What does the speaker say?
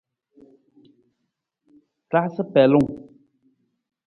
Raasa pelung.